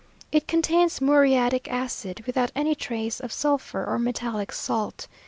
It contains muriatic acid, without any trace of sulphur or metallic salt.